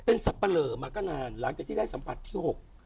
เป็นสับปะเหลอมาก็นานหลังจากที่ได้สัมผัสที่๖